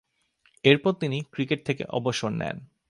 এরপর তিনি ক্রিকেট থেকে অবসর নেন।